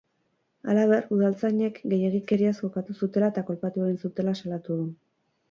Halaber, udaltzainek gehiegikeriaz jokatu zutela eta kolpatu egin zutela salatu du.